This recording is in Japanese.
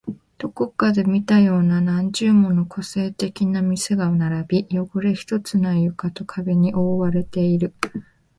どこかで見たような何十もの個性的な店が並び、汚れ一つない床と壁に覆われている